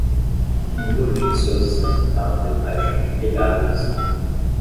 Um grupo de pessoas está sentado debaixo de um telhado de zinco.